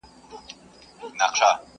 هغه کابل د ښو زلمیو وطن؛